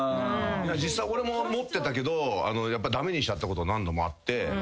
実際俺も持ってたけど駄目にしちゃったこと何度もあって。